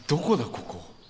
ここ。